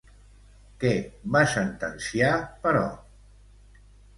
Què va sentenciar, però?